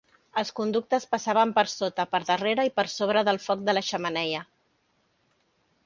Els conductes passaven per sota, per darrere i per sobre del foc de la xemeneia.